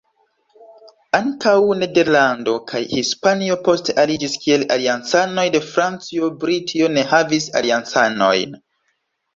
Ankaŭ Nederlando kaj Hispanio poste aliĝis kiel aliancanoj de Francio; Britio ne havis aliancanojn.